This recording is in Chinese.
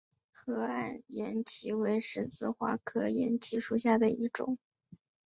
河岸岩荠为十字花科岩荠属下的一个种。